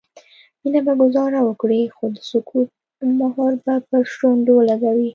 مينه به ګذاره وکړي خو د سکوت مهر به پر شونډو ولګوي